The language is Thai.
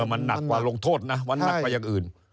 มันหนักกว่าลงโทษนะมันหนักกว่าอย่างอื่น